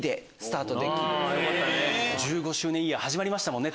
１５周年イヤー始まりましたもんね